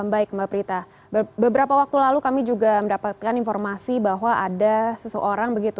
baik mbak prita beberapa waktu lalu kami juga mendapatkan informasi bahwa ada seseorang